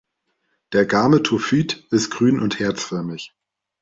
Der Gametophyt ist grün und herzförmig.